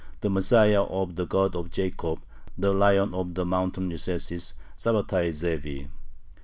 the Messiah of the God of Jacob, the Lion of the mountain recesses, Sabbatai Zevi.